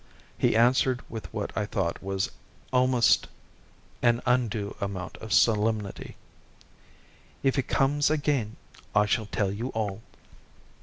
He answered with what I thought was almost an undue amount of solemnity: "If it comes again, I shall tell you all."